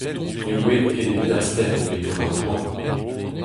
Ne oan ket evit astenn ivez gant ar boan.